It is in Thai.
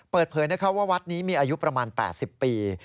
เปิดเผยว่าวัดนี้มีอายุประมาณ๘๐ปี